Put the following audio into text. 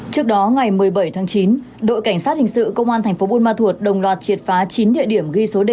trước đó ngày một mươi bảy tháng chín đội cảnh sát hình sự công an thành phố buôn ma thuột đồng loạt triệt phá chín địa điểm